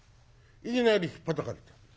いきなりひっぱたかれた。